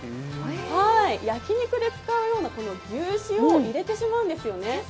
焼き肉で使うような牛脂を入れてしまうんですよね。